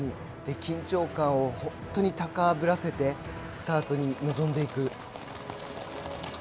緊張感を本当に高ぶらせてスタートに臨んでいく。